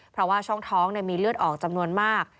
เพราะว่าช่องท้องมีเลือดออกจำนวนมาก